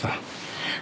えっ？